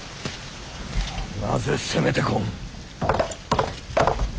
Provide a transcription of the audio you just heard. なぜ攻めてこん。